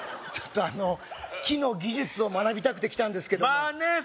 ちょっとあの木の技術を学びたくて来たんですけどまあね